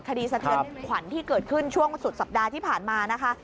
สะเทือนขวัญที่เกิดขึ้นช่วงสุดสัปดาห์ที่ผ่านมานะคะ